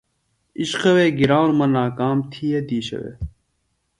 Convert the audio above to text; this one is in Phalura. عشقوے گرانوۡ مہ ناکام تھیئے دیشہ وے۔